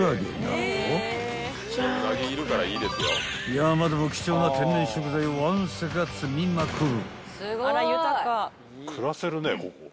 ［山でも貴重な天然食材をわんさか摘みまくる］